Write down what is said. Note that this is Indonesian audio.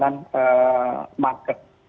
dan juga market